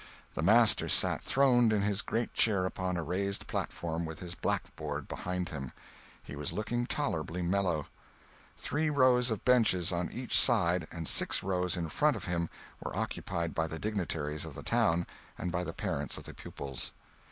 The master sat throned in his great chair upon a raised platform, with his blackboard behind him. He was looking tolerably mellow. Three rows of benches on each side and six rows in front of him were occupied by the dignitaries of the town and by the parents of the pupils.